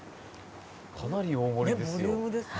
かなり大盛りですよ。